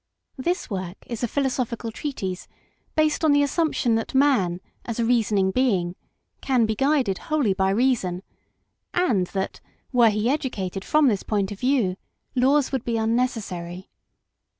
This work is a philosophical treatise based on the assumption that man, as a reasoning being, can be guided wholly by reason, and that, were he educated from this point of view, laws would be unnecessary.